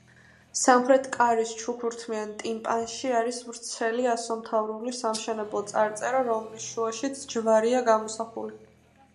სამხრეთი კარის ჩუქურთმიან ტიმპანში არის ვრცელი ასომთავრული სამშენებლო წარწერა, რომლის შუაშიც ჯვარია გამოსახული.